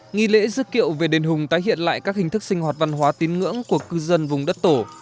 nghi lễ dức kiệu về đền hùng tái hiện lại các hình thức sinh hoạt văn hóa tín ngưỡng của cư dân vùng đất tổ